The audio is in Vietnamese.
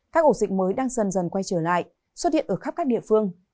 các ổ dịch mới đang dần dần quay trở lại xuất hiện ở khắp các địa phương